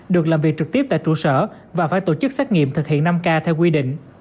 được làm việc trực tiếp tại trụ sở và phải tổ chức xét nghiệm thực hiện năm k theo quy định